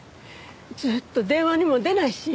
ずっと電話にも出ないし。